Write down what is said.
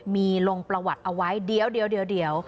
มีลงประวัติเอาไว้เดี๋ยว